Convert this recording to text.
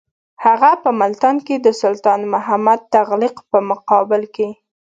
هغه په ملتان کې د سلطان محمد تغلق په مقابل کې.